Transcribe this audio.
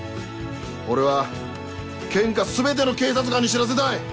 俺は県下全ての警察官に知らせたい！